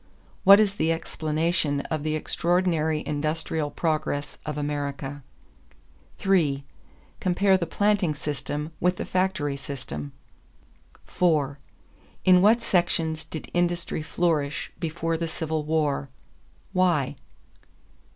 What is the explanation of the extraordinary industrial progress of America? 3. Compare the planting system with the factory system. 4. In what sections did industry flourish before the Civil War? Why?